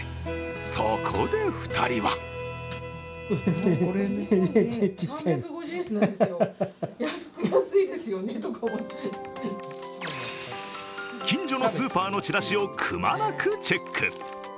そこで２人は近所のスーパーのチラシを隈なくチェック。